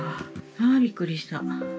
ああびっくりした。